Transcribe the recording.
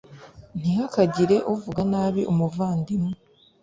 ntihakagire uvuga nabi umuvandimwe .